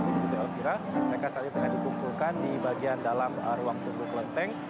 mereka saat ini telah dikumpulkan di bagian dalam ruang kukuh klenteng